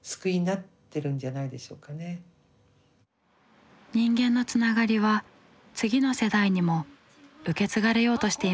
さっき言った人間のつながりは次の世代にも受け継がれようとしていました。